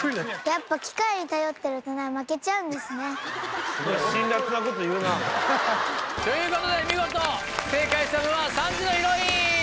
やっぱ。ということで見事正解したのは３時のヒロイン。